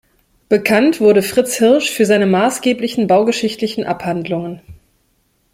Bekannt wurde Fritz Hirsch für seine maßgeblichen baugeschichtlichen Abhandlungen.